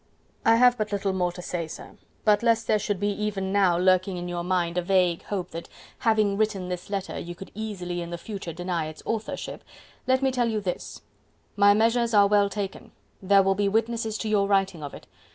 "I have but little more to say, sir.... But lest there should even now be lurking in your mind a vague hope that, having written this letter, you could easily in the future deny its authorship, let me tell you this: my measures are well taken, there will be witnesses to your writing of it....